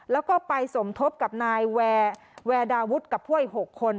แล้วก็ไปสมทบกับนายแวร์แวร์ดาวุธกับผู้อีกหกคน